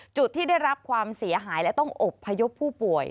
จุดที่ได้รับความเสียหายและต้องอบพยพผู้ป่วย